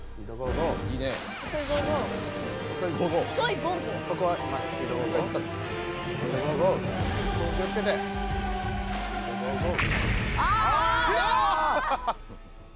ゴーゴー！